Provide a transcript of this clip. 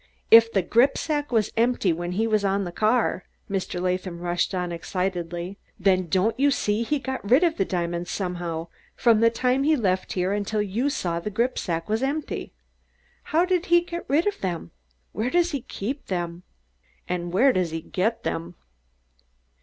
"If the gripsack was empty when he was on the car," Mr. Latham rushed on excitedly, "then don't you see that he got rid of the diamonds somehow from the time he left here until you saw that the gripsack was empty? How did he get rid of them? Where does he keep them? And where does he get them?"